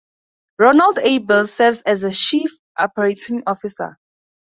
Ronald A. Belz serves as Chief Operating Officer.